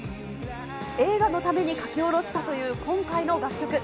映画のために書き下ろしたという今回の楽曲。